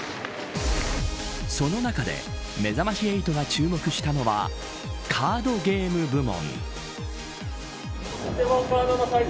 その中でめざまし８が注目したのはカードゲーム部門。